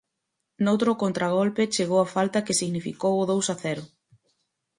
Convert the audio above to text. Noutro contragolpe chegou a falta que significou o dous a cero.